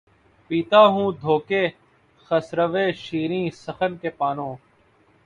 پیتا ہوں دھو کے خسروِ شیریں سخن کے پانو